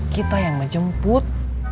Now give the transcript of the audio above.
kita yang menjemput